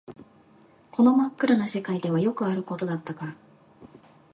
この真っ暗な世界ではよくあることだったから